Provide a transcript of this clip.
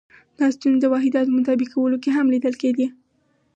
دا ستونزې د واحداتو مطابق کولو کې هم لیدل کېدې.